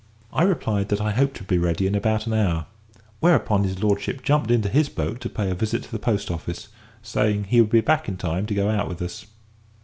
I replied that I hoped to be ready in about an hour, whereupon his lordship jumped into his boat to pay a visit to the post office, saying he would be back in time to go out with us.